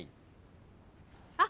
あっ！